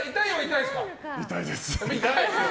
痛いです。